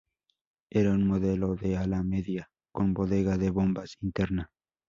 Era un modelo de ala media con bodega de bombas interna.